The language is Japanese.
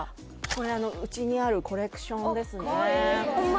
これ家にあるコレクションですねホンマ